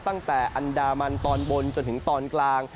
ตั้งแต่อันดามันตอนบนจนถึงตอนกลาง